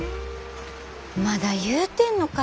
まだ言うてんのかいな。